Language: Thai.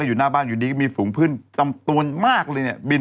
่วงอยู่หน้าบ้านอยู่ดีดีก็มีฝูงพื้นตะมะตัวมากเลยเนี่ย